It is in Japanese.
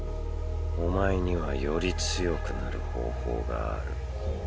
お前にはより強くなる方法がある。